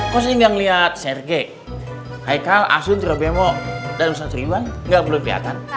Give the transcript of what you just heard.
kok sih nggak ngelihat sergei haikal asun tirobemo dan ustadz sriwan nggak perlu kelihatan